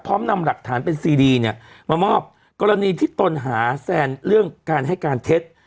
นำหลักฐานเป็นซีดีเนี่ยมามอบกรณีที่ตนหาแซนเรื่องการให้การเท็จ